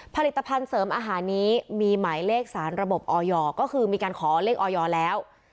ผลิตภัณฑ์เสริมอาหารนี้มีหมายเลขสารระบบออยก็คือมีการขอเลขออยแล้ว